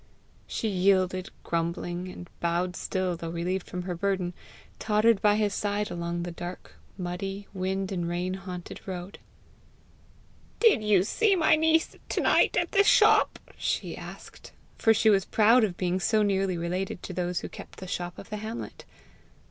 She yielded grumbling, and, bowed still though relieved from her burden, tottered by his side along the dark, muddy, wind and rain haunted road. "Did you see my niece to night at the shop?" she asked; for she was proud of being so nearly related to those who kept the shop of the hamlet.